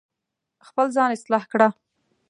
خپل ځان اصلاح کړه